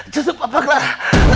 jujur papa clara